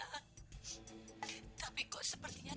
akan kukun remove mereka saja ini